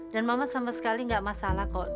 dan mama sama sekali gak masalah kok